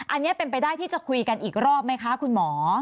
อันนี้เป็นไปได้ที่จะคุยกันอีกรอบไหมคะคุณหมอ